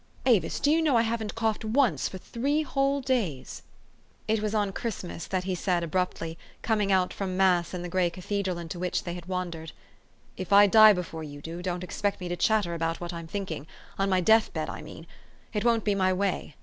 Avis, do you know I haven't coughed once for three whole days?" It was on Christmas that he said abruptly, coming out from mass in the gray cathedral into which they had wandered, "If I die before you do, don't ex pect me to chatter about what I'm thinking, on my death bed, I mean. It won't be my way.